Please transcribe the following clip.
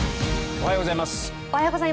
おはようございます。